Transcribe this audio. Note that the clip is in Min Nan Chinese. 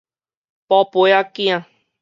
寶貝仔囝